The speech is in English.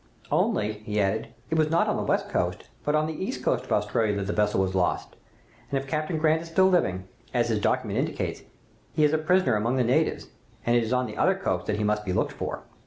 "'Only,' he added, 'it was not on the west coast, but on the east coast of Australia that the vessel was lost, and if Captain Grant is still living, as his document indicates, he is a prisoner among the natives, and it is on the other coast that he must be looked for.